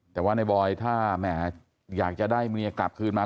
แต่ว่าในบอยถ้าแหมอยากจะได้เมียกลับคืนมา